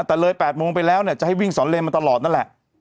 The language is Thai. แต่เลย๘โมงไปแล้วเนี่ยจะให้วิ่งสอนเลนมาตลอดนั่นแหละ